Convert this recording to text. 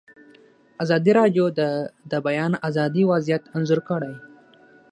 ازادي راډیو د د بیان آزادي وضعیت انځور کړی.